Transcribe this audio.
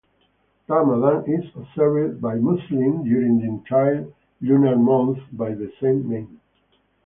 Ramadan is observed by Muslims during the entire lunar month by the same name.